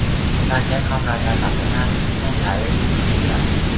การใช้คำราชาศัพท์ในหน้าผู้ใช้ วิกิพีเดีย